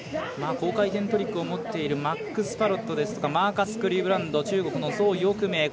高回転トリックを持っているマックス・パロットですとかマーカス・クリーブランド中国の蘇翊鳴